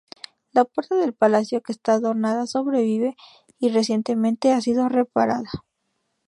La puerta del palacio que está adornada sobrevive y recientemente ha sido reparada.